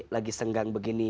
lagi senggang begini